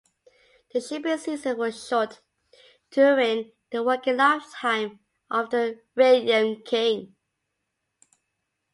The shipping season was short during the working lifetime of the "Radium King".